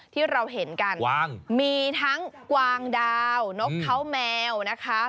ที่เราเห็นกันมีทั้งกวางดาวนกเขาแมวนะคะ